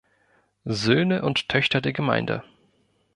Söhne und Töchter der Gemeinde